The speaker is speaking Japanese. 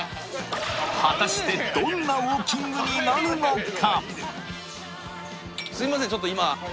果たしてどんなウォーキングになるのか？